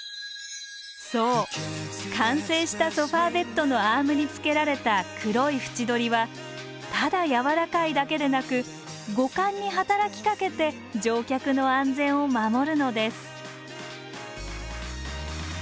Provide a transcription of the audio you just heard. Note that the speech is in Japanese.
そう完成したソファーベッドのアームに付けられた黒い縁取りはただやわらかいだけでなく五感に働きかけて乗客の安全を守るのです